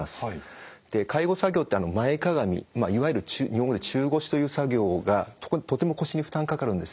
介護作業って前かがみいわゆる中腰という作業がとても腰に負担かかるんですね。